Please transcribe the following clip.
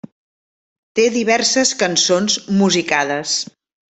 Té diverses cançons musicades.